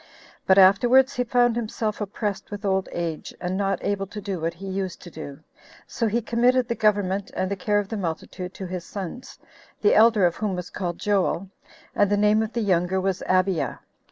2. But afterwards he found himself oppressed with old age, and not able to do what he used to do, so he committed the government and the care of the multitude to his sons, the elder of whom was called Joel, and the name of the younger was Abiah.